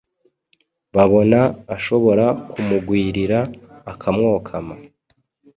babona ashobora kumugwirira akamwokama.